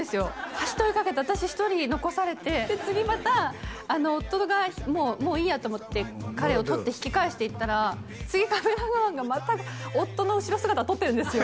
走って追いかけて私一人残されてで次また夫がもういいやと思って彼を撮って引き返していったら次カメラマンがまた夫の後ろ姿を撮ってるんですよ